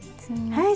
はい。